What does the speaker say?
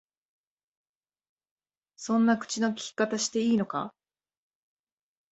そんな口の利き方していいのか？